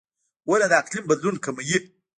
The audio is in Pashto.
• ونه د اقلیم بدلون کموي.